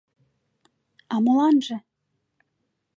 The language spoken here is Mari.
А моланже?..